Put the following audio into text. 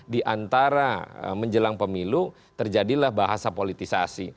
diantara menjelang pemilu terjadilah bahasa politisasi